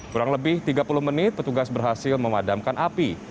kurang lebih tiga puluh menit petugas berhasil memadamkan api